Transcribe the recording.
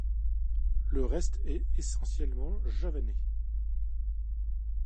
Le reste est essentiellement javanais.